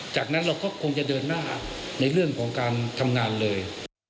จากนั้นเราก็คงจะเดินหน้าในเรื่องของการทำงานเลย